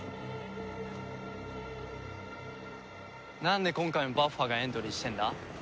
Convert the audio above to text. なんで今回もバッファがエントリーしてんだ？